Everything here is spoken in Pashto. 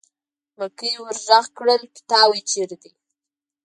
مکۍ ور غږ کړل: پیتاوی چېرته دی.